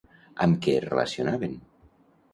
Amb què es relacionen?